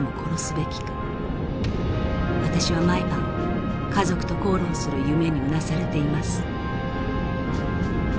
私は毎晩家族と口論する夢にうなされています」。